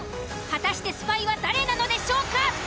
果たしてスパイは誰なのでしょうか！？